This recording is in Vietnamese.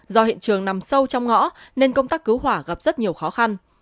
do hiện trường nằm sâu trong ngõ nên công tác cứu hỏa gặp rất nhiều khó khăn